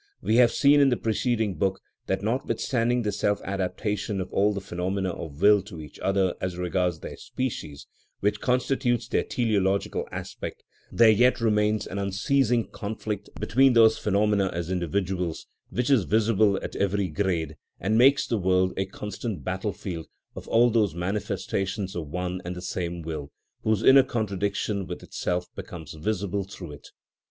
We have seen in the preceding book that notwithstanding the self adaptation of all the phenomena of will to each other as regards their species, which constitutes their teleological aspect, there yet remains an unceasing conflict between those phenomena as individuals, which is visible at every grade, and makes the world a constant battle field of all those manifestations of one and the same will, whose inner contradiction with itself becomes visible through it.